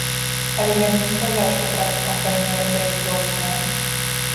Але я б не сказаў, што праца камбайнера зайздросная.